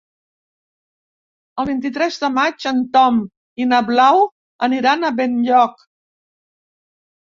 El vint-i-tres de maig en Tom i na Blau aniran a Benlloc.